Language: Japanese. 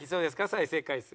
再生回数。